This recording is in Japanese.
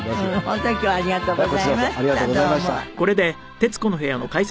本当に今日はありがとうございましたどうも。